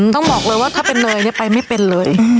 ต้องบอกเลยว่าถ้าเป็นเนยไปไม่เป็นเลย